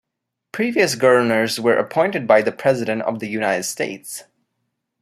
Previous governors were appointed by the President of the United States.